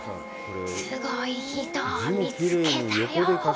すごい人を見つけたよ。